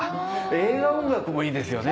映画音楽もいいですよね。